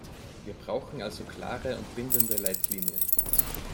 Wir brauchen also klare und bindende Leitlinien.